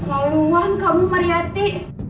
keteluan kamu mariati